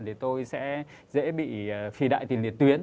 thì tôi sẽ dễ bị phì đại tình liệt tuyến